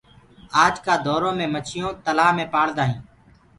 آج ڪآ دورو مي مڇيونٚ تلهآ مي پآݪدآ هينٚ